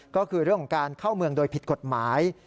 ก็คือเรื่องของการเข้าเมืองโดยผิดกฎหมาย